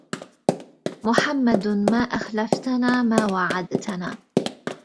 محمد ما أخلفتنا ما وعدتنا